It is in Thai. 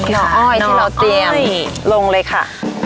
น้องอ้อยที่เราเตรียมลงเลยค่ะ